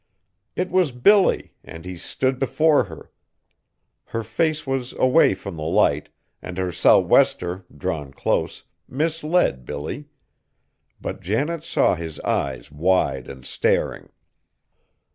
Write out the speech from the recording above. It was Billy and he stood before her. Her face was away from the light, and her sou'wester, drawn close, misled Billy; but Janet saw his eyes wide and staring.